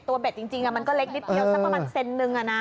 เบ็ดจริงมันก็เล็กนิดเดียวสักประมาณเซนนึง